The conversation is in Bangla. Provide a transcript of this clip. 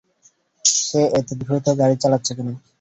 সে এতো দ্রুত গাড়ি চালাচ্ছে কেন?